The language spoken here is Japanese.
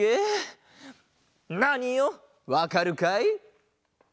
ナーニよわかるかい？